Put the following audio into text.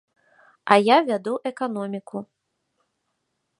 А я вяду эканоміку.